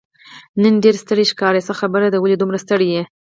نن ډېر ستړی ښکارې، څه خبره ده، ولې دومره ستړی یې؟